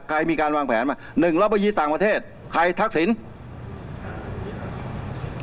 ใครมีการวางแผนมาหนึ่งรับประยีต่างประเทศใครทักศิลป์